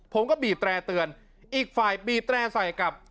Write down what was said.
ผมก็บีบแตร่เตือนอีกฝ่ายบีบแตร่ใส่กับ